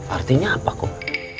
artinya apa kok